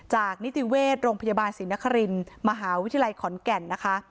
นิติเวชโรงพยาบาลศรีนครินมหาวิทยาลัยขอนแก่นนะคะ